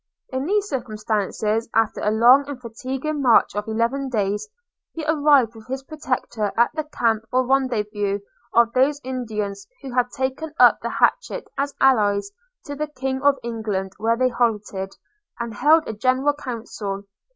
In these circumstances, after a long and fatiguing march of eleven days, he arrived with his protector at the camp or rendezvous of those Indians who had taken up the hatchet as allies to the king of England, where they halted, and held a general council.